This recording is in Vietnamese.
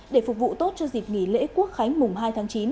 để phục vụ tốt cho dịp nghỉ lễ quốc khánh mùng hai tháng chín